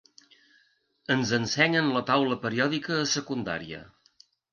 Ens ensenyen la taula periòdica a secundària.